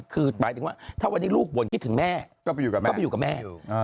คือหมายถึงว่าถ้าวันนี้ลูกบ่นคิดถึงแม่ก็ไปอยู่กับแม่